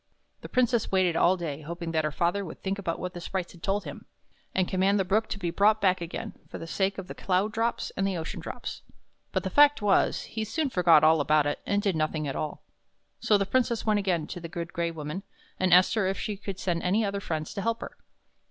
The Princess waited all day, hoping that her father would think about what the sprites had told him, and 42 THE BROOK IN THE KING'S GARDEN command the Brook to be brought back again, for the sake of the cloud drops and the ocean drops. But the fact was he soon forgot all about it, and did nothing at all. So the Princess went again to the Good Gray Woman, and asked her if she could send any other friends to help her.